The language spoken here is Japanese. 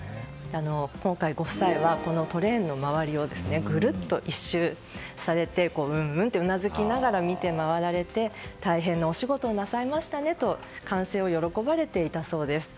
今回、ご夫妻はこのトレーンの周りをぐるっと一周されてうんうんとうなずきながら見て回られて大変なお仕事をなさいましたねと完成を喜ばれていたそうです。